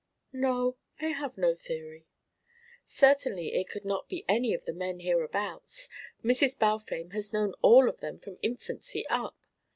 "No, I have no theory: certainly it could not be any of the men hereabouts. Mrs. Balfame has known all of them from infancy up.